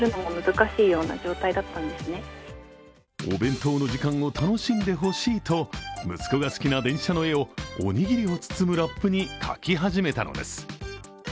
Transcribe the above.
お弁当の時間を楽しんでほしいと息子が好きな電車の絵を、おにぎりを包むラップに描き始めたのです。